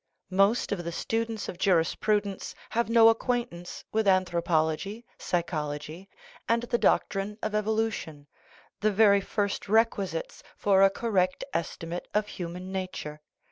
Most of the students of ju risprudence have no acquaintance with anthropology, psychology, and the doctrine of evolution the very first requisites for a correct estimate of human nature.